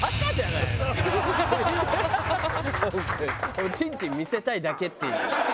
おちんちん見せたいだけっていう。